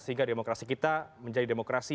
sehingga demokrasi kita menjadi demokrasi